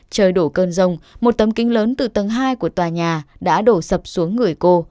trời đổ cơn rông một tấm kính lớn từ tầng hai của tòa nhà đã đổ sập xuống người cô